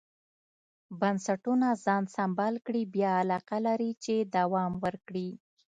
بنسټونه ځان سمبال کړي بیا علاقه لري چې دوام ورکړي.